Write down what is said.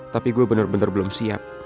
tapi gue bener bener belum siap